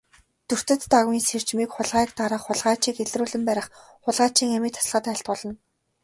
Дүртэд Дагвын сэржмийг хулгайг дарах, хулгайчийг илрүүлэн барих, хулгайчийн амийг таслахад айлтгуулна.